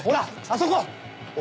あそこ！